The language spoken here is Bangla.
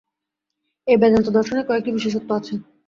এই বেদান্ত-দর্শনের কয়েকটি বিশেষত্ব আছে।